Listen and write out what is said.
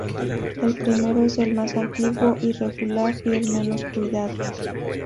El primero es el más antiguo, irregular y el menos cuidado.